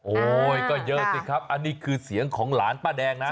โอ้ยก็เยอะสิครับอันนี้คือเสียงของหลานป้าแดงนะ